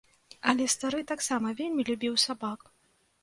Але стары таксама вельмі любіў сабак.